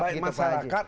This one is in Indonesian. ya baik masyarakat